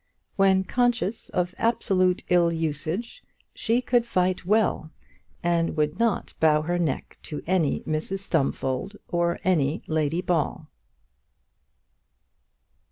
When conscious of absolute ill usage, she could fight well, and would not bow her neck to any Mrs Stumfold or to any Lady Ball.